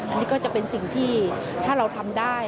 อันนี้ก็จะเป็นสิ่งที่ถ้าเราทำได้